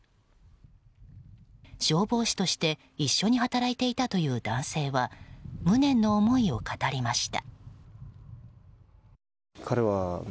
消防士として一緒に働いていたという男性は無念の思いを語りました。